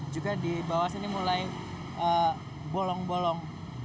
juga di bawah sini mulai bolong bolong